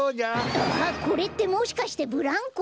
あっこれってもしかしてブランコ？